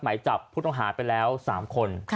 หมายจับพวกผู้ต้องหาดไปแล้วสามคน